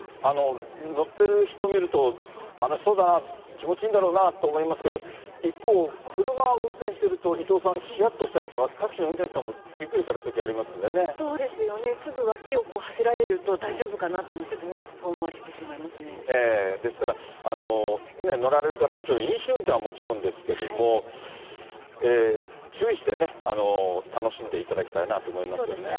乗ってる人見ると、楽しそうだな、気持ちいいんだろうなと思いますけど、一方、車を運転してると、伊藤さん、ひやっとしたりとか、タクシーの運転手さんもびっくりされるときそうですよね、すぐ脇を走られると大丈夫かなと思って、ですから、乗られる方はもちろん、飲酒運転はもちろんですけども、注意してね、楽しんでいただきたいなと思いますよね。